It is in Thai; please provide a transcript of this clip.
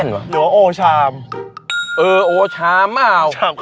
เพราะว่าโอชำรอเราอยู่